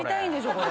これ。